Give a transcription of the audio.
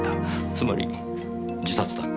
つまり自殺だった。